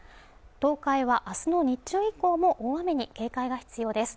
東海は明日の日中以降も大雨に警戒が必要です